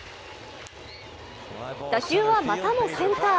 打球はまたもセンター。